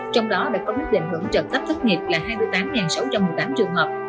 trong đó đã có quyết định hưởng trợ cấp thất nghiệp là hai mươi tám sáu trăm một mươi tám trường hợp